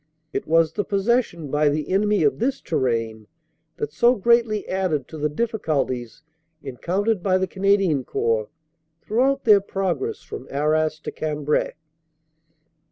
It was the possession by the enemy of this terrain that so greatly added to the difficulties encountered by the Cana dian Corps throughout their progress from Arras to Cambrai.